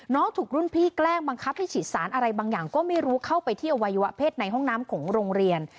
ถูกรุ่นพี่แกล้งบังคับให้ฉีดสารอะไรบางอย่างก็ไม่รู้เข้าไปที่อวัยวะเพศในห้องน้ำของโรงเรียน